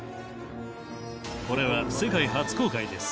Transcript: これは世界初公開です。